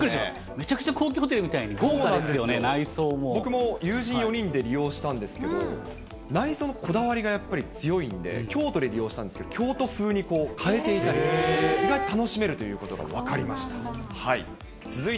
めちゃくちゃ高級ホテルみたいになってますよね、豪華ですよね、僕も友人４人で利用したんですけど、内装のこだわりがやっぱり強いんで、京都で利用したんですけど、京都風に変えていたり、意外と楽しめるということが分かりました。